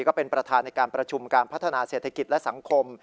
ก็เป็นประธานในการประชุมการพัฒนาเศรษฐกิจและสังคม